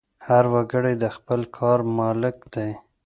هر وګړی د خپل کار مالک دی.